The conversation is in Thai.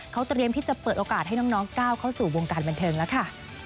เขาเตรียมที่จะเปิดโอกาสให้น้องก้าวเข้าสู่วงการบันเทิงแล้วค่ะ